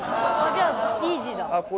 じゃあイージーだ。